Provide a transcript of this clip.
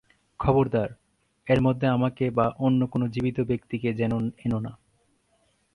খবরদার, এর মধ্যে আমাকে বা অন্য কোন জীবিত ব্যক্তিকে যেন এনো না।